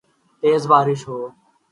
تیز بارش ہو